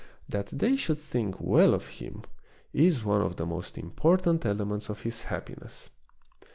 That they should think well of him is one of the most important elements of his happiness.